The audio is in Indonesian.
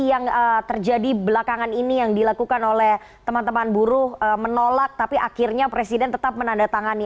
yang terjadi belakangan ini yang dilakukan oleh teman teman buruh menolak tapi akhirnya presiden tetap menandatangani